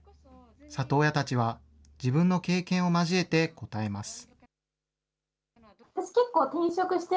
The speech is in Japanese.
里親たちは、自分の経験を交えて応えます。